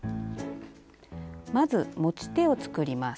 まず持ち手を作ります。